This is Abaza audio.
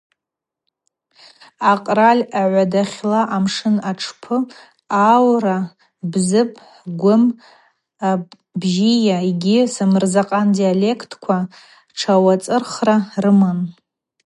Акъраль агӏвадахьла амшын атшпы аурала бзыб, гвым, абжьыуа йгьи самырзакъан диалектква тшауацӏыхра рыман.